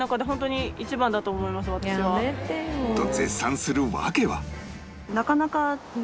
絶賛する訳は